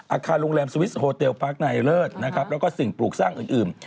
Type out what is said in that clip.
อาคารโรงแรมสวิสโฮเตลปาร์คไนเลิศนะครับแล้วก็สิ่งปลูกสร้างอื่น